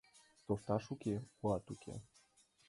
Тоштат уке, уат уке.